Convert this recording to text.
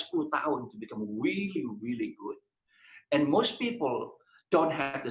dan kebanyakan orang tidak memiliki kemampuan di malam